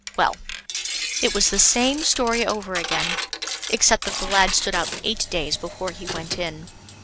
Well, it was the same story over again, except that the lad stood out eight days before he went in.